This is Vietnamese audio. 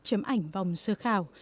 chấm ảnh vòng sơ khảo